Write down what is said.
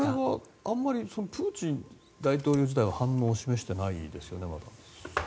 あんまりプーチン大統領自体は反応を示してないですよね。